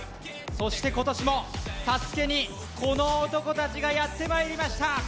そして今年もＳＡＳＵＫＥにこの男達がやってまいりました